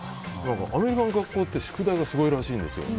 アメリカの学校って宿題がすごいらしいんです。